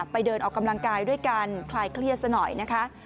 ไปเดินออกกำลังกายด้วยการคลายเครียดซะหน่อยนะคะ